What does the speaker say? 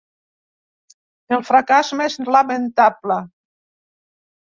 El fracàs més lamentable.